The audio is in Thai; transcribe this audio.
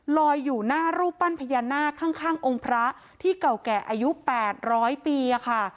ลอยอยู่หน้ารูปปั้นพญานาคข้างข้างองค์พระที่เก่าแก่อายุแปดร้อยปีอะค่ะ